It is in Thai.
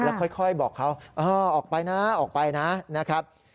แล้วค่อยบอกเขาออกไปนะออกไปนะครับ